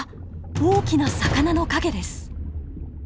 大きな魚の影です。